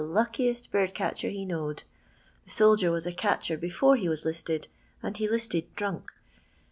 luckiest bird catcher he knowed. The soldier was a catcher be fore he first listed, and he listed drunk.